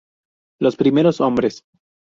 Los Primeros hombres.